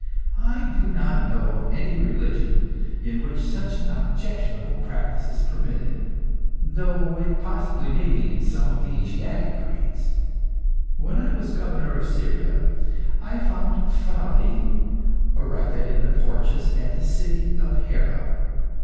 I do not know of any religion in which such an objectionable practice is permitted, though it possibly may be in some of the Asiatic creeds. When I was Governor of Syria, I found phalli erected in the porches at the city of Hera.